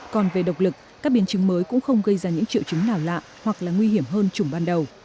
còn về độc lực các biến chứng mới cũng không gây ra những triệu chứng nào lạ hoặc là nguy hiểm hơn chủng ban đầu